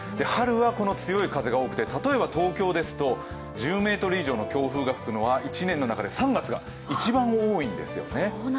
春はこの強い風が多くて、例えば東京ですと１０メートル以上の強風が吹くのは１年の中で３月が一番多いんです。